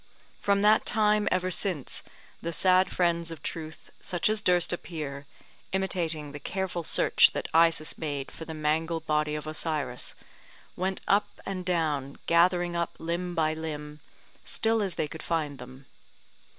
From that time ever since, the sad friends of Truth, such as durst appear, imitating the careful search that Isis made for the mangled body of Osiris, went up and down gathering up limb by limb, still as they could find them.